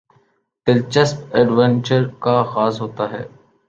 دلچسپ ایڈونچر کا آغاز ہوتا ہے